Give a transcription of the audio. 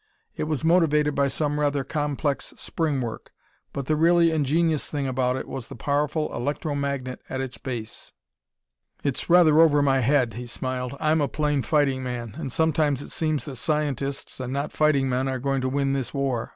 It was motivated by some rather complex spring work; but the really ingenious thing about it was the powerful electro magnet at its base. "It's rather over my head," he smiled. "I'm a plain fighting man, and sometimes it seems that scientists and not fighting men are going to win this war....